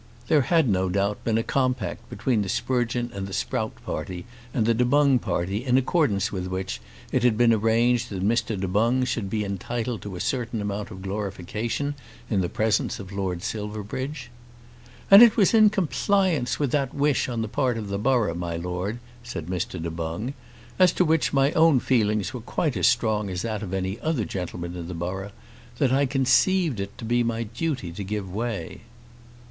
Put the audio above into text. There had no doubt been a compact between the Sprugeon and Sprout party and the Du Boung party in accordance with which it had been arranged that Mr. Du Boung should be entitled to a certain amount of glorification in the presence of Lord Silverbridge. "And it was in compliance with that wish on the part of the borough, my Lord," said Mr. Du Boung, "as to which my own feelings were quite as strong as that of any other gentleman in the borough, that I conceived it to be my duty to give way."